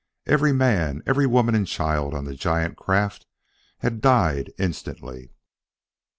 Every man, every woman and child on the giant craft, had died instantly!